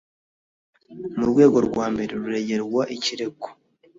mu rwego rwa mbere ruregerwa ikirego